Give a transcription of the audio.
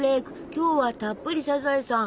今日はたっぷりサザエさん！